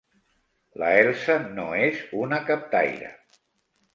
La Elsa no és una captaire!